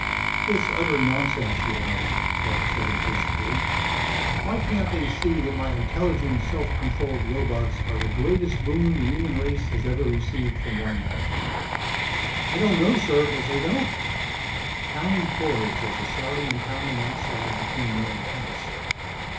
"It's utter nonsense, you know," Clark said impatiently. "Why can't they see that my intelligent, self controlled robots are the greatest boon the human race has ever received from one man?" "I don't know, sir, but they don't." Towney paused as the shouting and pounding outside became more intense.